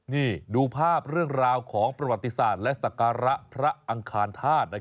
นี่ดูภาพเรื่องราวของประวัติศาสตร์และศักระพระอังคารธาตุ